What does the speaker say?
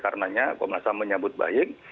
karena komnas ham menyebut baik